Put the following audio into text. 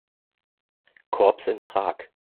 Korps in Prag.